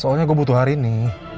soalnya gue butuh hari ini